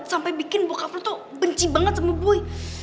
sampe bikin bokap lo tuh benci banget sama boy